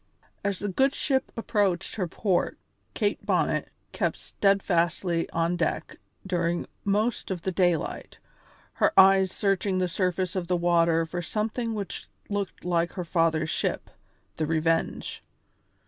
As the good ship approached her port Kate Bonnet kept steadfastly on deck during most of the daylight, her eyes searching the surface of the water for something which looked like her father's ship, the Revenge.